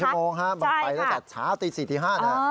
หลายชั่วโมงครับไปแล้วจากเช้าตี๔๕นะครับ